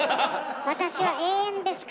私は永遠ですから。